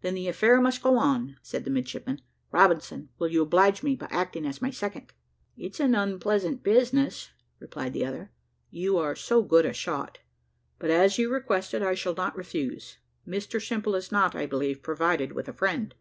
"Then the affair must go on," said the midshipman. "Robinson, will you oblige me by acting as my second?" "It's an unpleasant business," replied the other, "you are so good a shot; but as you request it, I shall not refuse. Mr Simple is not, I believe, provided with a friend."